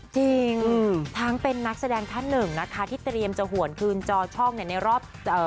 จริงทั้งเป็นนักแสดงท่านหนึ่งนะคะที่เตรียมจะหวนคืนจอช่องเนี่ยในรอบเอ่อ